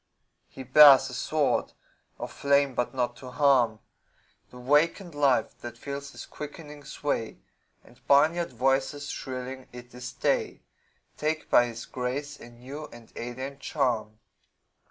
He bears a sword of flame but not to harm The wakened life that feels his quickening sway And barnyard voices shrilling "It is day!" Take by his grace a new and alien charm.